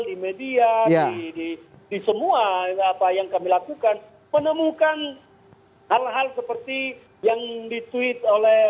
di media di semua yang kami lakukan menemukan hal hal seperti yang ditweet oleh